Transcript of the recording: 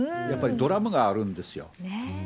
やっぱりドラマがあるんですよね。